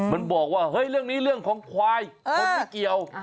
มันบอกว่าเฮ้ยเรื่องนี้เรื่องของควายคนไม่เกี่ยว